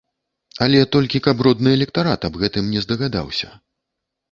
Але толькі каб родны электарат аб гэтым не здагадаўся.